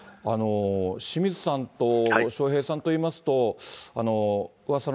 清水さんと笑瓶さんといいますと、噂の！